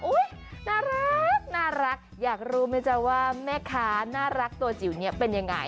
น่ารักอยากรู้ไหมจ๊ะว่าแม่ค้าน่ารักตัวจิ๋วเนี่ยเป็นยังไง